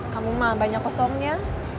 kamu mah banyak kosongnya